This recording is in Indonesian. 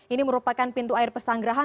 ini merupakan pintu air pesanggerahan